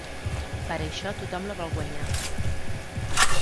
Per això tothom la vol guanyar.